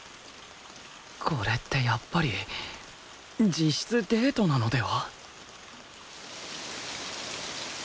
これってやっぱり実質デートなのでは？